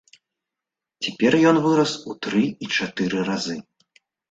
Цяпер ён вырас у тры і чатыры разы.